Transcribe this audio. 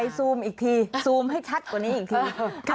ซูมอีกทีซูมให้ชัดกว่านี้อีกที